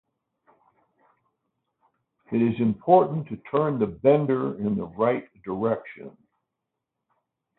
It is important to turn the bender in the right direction.